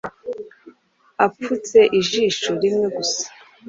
apfutse ijisho rimwe gusa